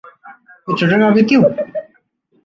Your children are with you?